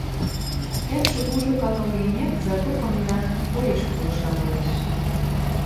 Кӓпшӹ кужок агыл гӹнят, зато кымда, тореш пулышан ылеш.